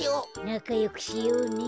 なかよくしようね。